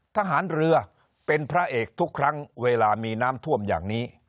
ทหารเรือเป็นพระเอกทุกครั้งเวลามีน้ำท่วมอย่างนี้